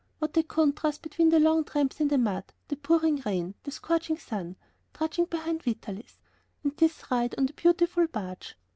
What a contrast between the long tramps in the mud, the pouring rain, the scorching sun, trudging behind Vitalis, ... and this ride on the beautiful barge!